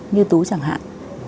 như tú chẳng hạn